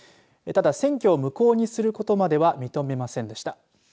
ただ選挙を無効にすることまでは認めませんでした。